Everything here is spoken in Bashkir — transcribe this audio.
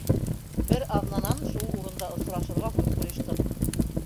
Бер аҙнанан шул урында осрашырға һүҙ ҡуйыштыҡ.